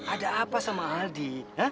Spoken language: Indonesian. ada apa sama aldi